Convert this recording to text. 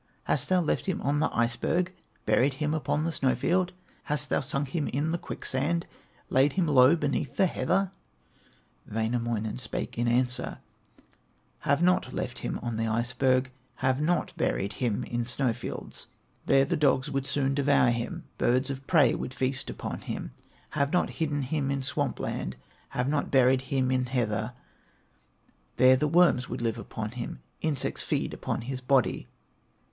Hast thou left him on the iceberg, Buried him upon the snow field? Hast thou sunk him in the quicksand, Laid him low beneath the heather?" Wainamoinen spake in answer: "Have not left him on the iceberg, Have not buried him in snow fields; There the dogs would soon devour him, Birds of prey would feast upon him; Have not hidden him in Swamp land, Have not buried him in heather; There the worms would live upon him, Insects feed upon his body.